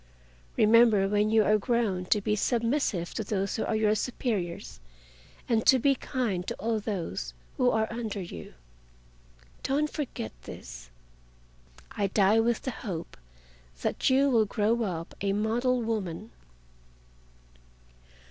Remember when you are grown up to be submissive to those who are your superiors, and to be kind to all those who are under you. Don't forget this. I die with the hope that you will grow up a model woman."